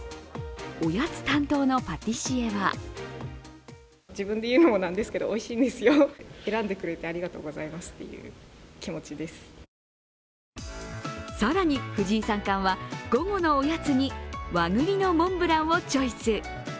おやつ担当のパティシエは更に、藤井三冠は午後のおやつに和栗のモンブランをチョイス。